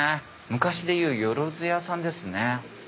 昔でいうよろず屋さんですね。